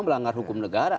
melanggar hukum negara